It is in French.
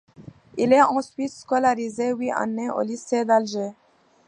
Il est ensuite scolarisé huit années au lycée d’Alger.